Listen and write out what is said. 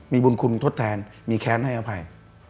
มีบุญคุณทดแทนมีแค้นให้อภัย